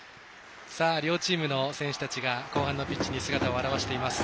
両チームの選手たちが後半のピッチに姿を現しています。